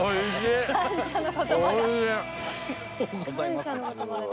感謝の言葉が。